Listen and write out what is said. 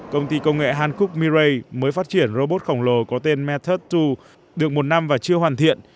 công ty công nghệ hàn quốc mirai mới phát triển robot khổng lồ có tên method hai được một năm và chưa hoàn thiện